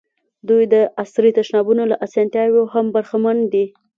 دوی د عصري تشنابونو له اسانتیاوو هم برخمن دي.